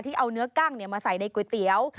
เอาเนื้อกั้งมาใส่ในก๋วยเตี๋ยว